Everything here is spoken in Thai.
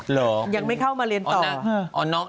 หรอคะอย่างไม่เข้ามาเรียนต่อน่ะ